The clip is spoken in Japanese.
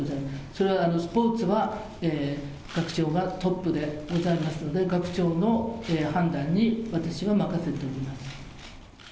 それは、スポーツは学長がトップでございますので、学長の判断に、私は任せております。